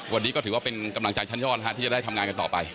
วันนี้ก็ถือว่าเป็นกำลังใจชั้นยอดที่จะได้ทำงานกันต่อไป